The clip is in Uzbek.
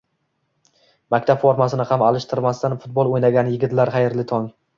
Maktab formasini ham alishtirmasdan futbol o'ynagan yigitlar, xayrli tong!